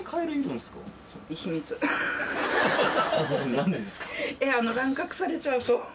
何でですか？